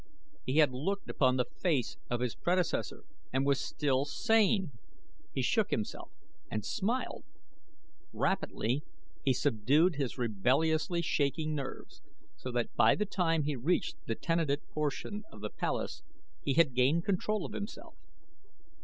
He had looked upon the face of his predecessor and was still sane! He shook himself and smiled. Rapidly he subdued his rebelliously shaking nerves, so that by the time he reached the tenanted portion of the palace he had gained control of himself.